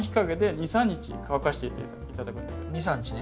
２３日ね。